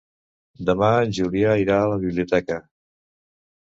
Demà en Julià irà a la biblioteca.